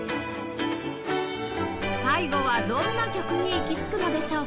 最後はどんな曲に行き着くのでしょうか？